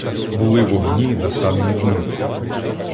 Були в огні на самім дну.